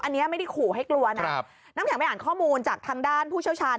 อันนี้ไม่ได้ขู่ให้กลัวนะน้ำแข็งไปอ่านข้อมูลจากทางด้านผู้เชี่ยวชาญ